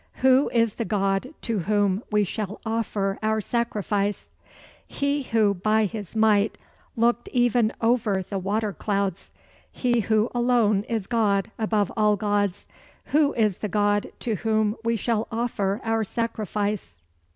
Who is the God to whom we shall offer our sacrifice? "He who by his might looked even over the water clouds; he who alone is God above all gods. Who is the God to whom we shall offer our sacrifice?"